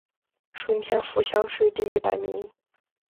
顺天府乡试第一百名。